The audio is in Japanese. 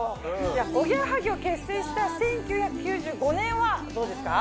おぎやはぎを結成した１９９５年はどうですか？